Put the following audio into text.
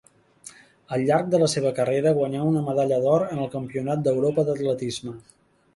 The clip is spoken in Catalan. Al llarg de la seva carrera guanyà una medalla d'or en el Campionat d'Europa d'atletisme.